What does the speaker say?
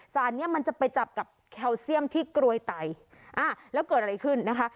เนี้ยมันจะไปจับกับแคลเซียมที่กรวยไตอ่าแล้วเกิดอะไรขึ้นนะคะ